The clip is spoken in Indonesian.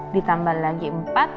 ditambah lagi empat